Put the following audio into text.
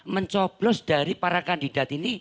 mencoblos dari para kandidat